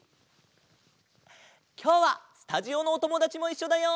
きょうはスタジオのおともだちもいっしょだよ！